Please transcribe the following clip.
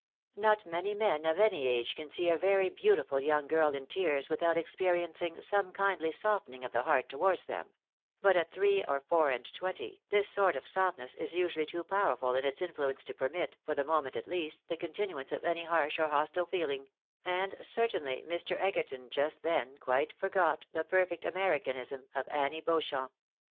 Not many men of any age can see a very beautiful young girl in tears without experiencing some kindly softening of the heart towards them ; but at three or four and twenty, this sort of soft ness is usually too powerful in its influence to permit, for the moment at least, the continuance of any harsh or hostile feeling ; and certainly Mr. Egerton just then quite forgot the perfect Americanism of Annie Beauchamp.